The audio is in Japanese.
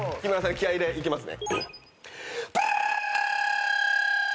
気合でいきますね。